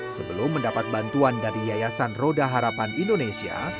sebelum mendapat bantuan dari yayasan roda harapan indonesia